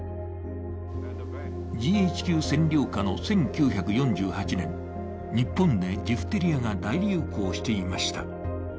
ＧＨＱ占領下の１９４８年、日本でジフテリアが大流行していました。